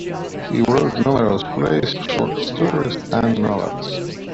He wrote numerous plays, short stories, and novels.